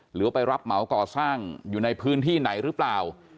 หรือไปรับเหมาก่อสร้างอยู่ในพื้นที่ไหนหรือเปล่า